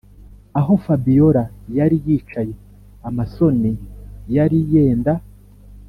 aho fabiora yari yicaye amasoni yari yenda